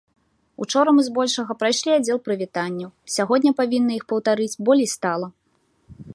Учора мы збольшага прайшлі аддзел прывітанняў, сягоння павінны іх паўтарыць болей стала.